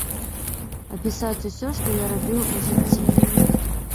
Апісаць усё, што я рабіў у жыцці.